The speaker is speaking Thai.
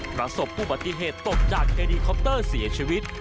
ประสบอุบัติเหตุตกจากเจดีคอปเตอร์เสียชีวิต